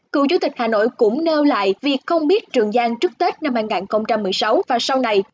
cựu chủ tịch hà nội cũng nêu lại việc không biết trường giang trước tết năm hai nghìn một mươi sáu và sau này